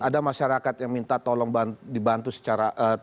ada masyarakat yang minta tolong dibantu secara